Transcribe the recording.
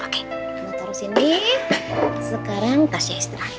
oke mau taruh sini sekarang tasya istirahat